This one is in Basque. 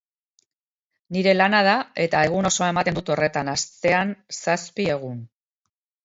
Nire lana da eta egun osoa ematen dut horretan, astean zazpi egun.